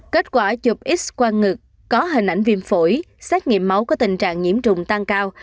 kết quả chụp x quang ngực có hình ảnh viêm phổi xét nghiệm máu có tình trạng nhiễm trùng tăng cao